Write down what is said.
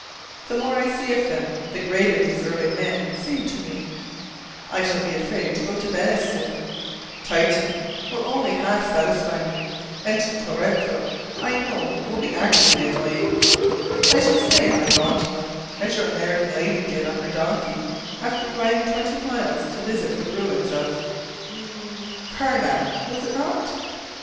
The more I see of them, the greater these early men seem to me: I shall be afraid to go to Venice soon; Titian will only half satisfy me, and Tintoretto, I know, will be actively annoying: I shall stay in my gondola, as your American lady did on her donkey after riding twenty miles to visit the ruins, of Carnac, was it not?